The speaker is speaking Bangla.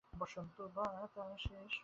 এটার কোন হাতল ই তো নেই।